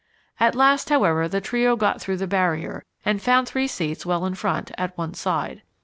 At last, however, the trio got through the barrier and found three seats well in front, at one side.